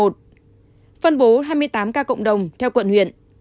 phân bố hai mươi tám ca cộng đồng theo quận huyện